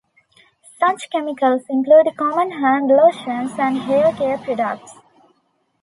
Such chemicals include common hand lotions and hair care products.